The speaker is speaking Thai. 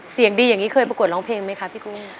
เสียงดีอย่างนี้เคยประกวดร้องเพลงไหมคะพี่กุ้ง